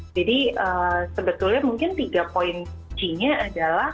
jadi sebetulnya mungkin tiga poin g nya adalah